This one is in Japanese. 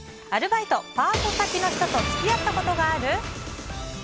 アルバイト・パート先の人と付き合ったことがある？